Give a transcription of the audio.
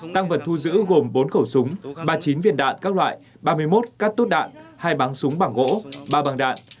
tăng vật thu giữ gồm bốn khẩu súng ba mươi chín viện đạn các loại ba mươi một cắt tốt đạn hai báng súng bảng gỗ ba băng đạn